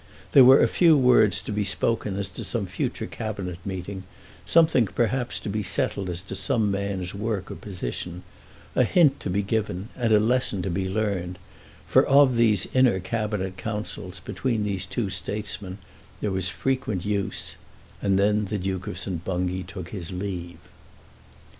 There were a few words to be spoken as to some future Cabinet meeting, something perhaps to be settled as to some man's work or position, a hint to be given, and a lesson to be learned, for of these inner Cabinet Councils between these two statesmen there was frequent use; and then the Duke of St. Bungay took his leave.